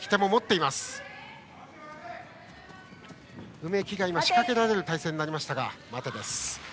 梅木、仕掛けられる体勢でしたが待てです。